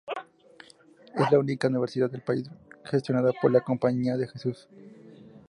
Es la única universidad del país gestionada por la Compañía de Jesús.